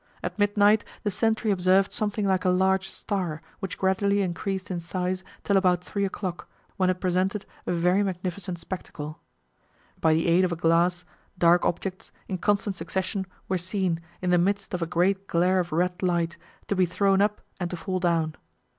At midnight the sentry observed something like a large star, which gradually increased in size till about three o'clock, when it presented a very magnificent spectacle. By the aid of a glass, dark objects, in constant succession, were seen, in the midst of a great glare of red light, to be thrown up and to fall down.